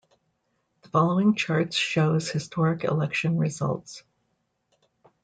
The following chart shows historic election results.